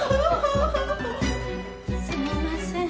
すみません。